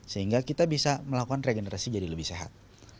sehingga kita bisa melakukan regenerasi jadi lebih sehat